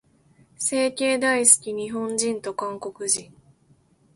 整形大好き、日本人と韓国人。